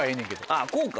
あぁこうか。